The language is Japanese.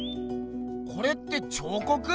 これって彫刻？